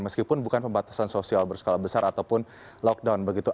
meskipun bukan pembatasan sosial berskala besar ataupun lockdown begitu